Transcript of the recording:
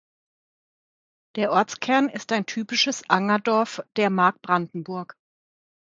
Der Ortskern ist ein typisches Angerdorf der Mark Brandenburg.